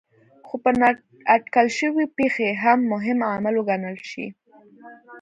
خو په نااټکل شوې پېښې هم مهم عامل وګڼل شي.